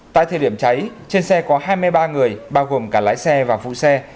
tại thời điểm cháy trên xe có hai mươi ba người bao gồm cả lái xe và phụ xe